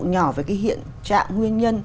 nhỏ về cái hiện trạng nguyên nhân